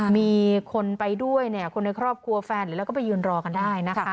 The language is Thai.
มีคนไปด้วยเนี่ยคนในครอบครัวแฟนหรือเราก็ไปยืนรอกันได้นะคะ